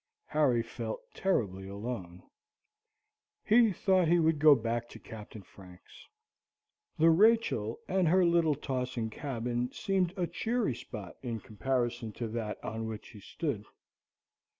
Harry felt terribly alone. He thought he would go back to Captain Franks. The Rachel and her little tossing cabin seemed a cheery spot in comparison to that on which he stood.